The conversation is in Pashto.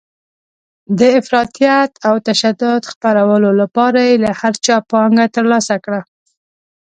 د افراطیت او تشدد خپرولو لپاره یې له هر چا پانګه ترلاسه کړه.